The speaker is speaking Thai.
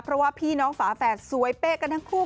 เพราะว่าพี่น้องฝาแฝดสวยเป๊ะกันทั้งคู่